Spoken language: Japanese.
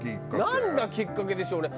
何がきっかけでしょうね？